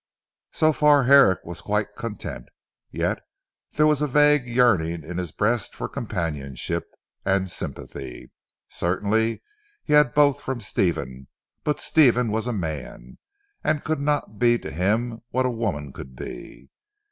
So far Herrick was quite content. Yet there was a vague yearning in his breast for companionship, and sympathy. Certainly he had both from Stephen; but Stephen was a man, and could not be to him what a woman could be.